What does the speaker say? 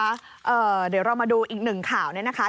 เดี๋ยวเรามาดูอีกหนึ่งข่าวเนี่ยนะคะ